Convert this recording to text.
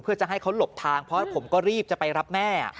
เพื่อจะให้เขาหลบทางเพราะผมก็รีบจะไปรับแม่